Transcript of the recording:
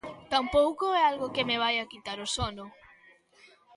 Tampouco é algo que me vaia quitar o sono.